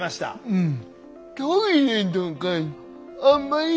うん。